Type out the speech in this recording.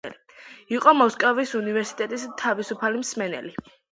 იყო მოსკოვის უნივერსიტეტის თავისუფალი მსმენელი.